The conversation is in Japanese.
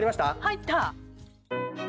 入った！